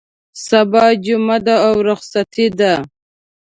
سبا جمعه ده او رخصتي ده.